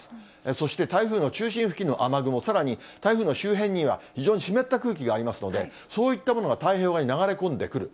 そして台風の中心付近の雨雲、さらに台風の周辺には、非常に湿った空気がありますので、そういったものが太平洋側に流れ込んでくる。